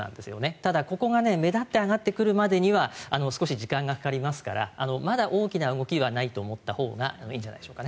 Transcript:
ただ、ここが目立って上がってくるまでには少し時間がかかりますからまだ大きな動きはないと思ったほうがいいんじゃないでしょうか。